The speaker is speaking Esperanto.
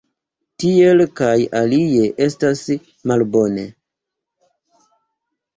Tiel kaj alie estas malbone.